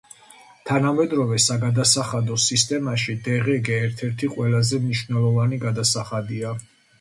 თანამედროვე საგადასახადო სისტემაში დღგ ერთ-ერთი ყველაზე მნიშვნელოვანი გადასახადია.